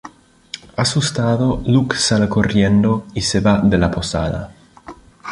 Asustado, Luke sale corriendo y se va de la posada.